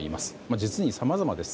実にさまざまです。